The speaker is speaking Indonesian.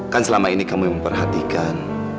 kan selama ini kamu yang memperhatikan